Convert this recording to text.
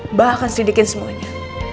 mbak akan selidikin semuanya